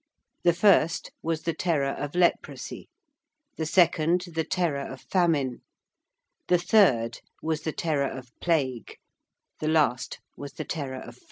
The first was the Terror of Leprosy: the second the Terror of Famine: the third was the Terror of Plague: the last was the Terror of Fire.